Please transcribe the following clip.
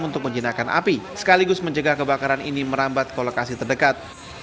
untuk menjinakkan api sekaligus mencegah kebakaran ini merambat ke lokasi terdekat